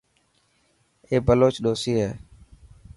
اي بلوچ ڏوسي هي.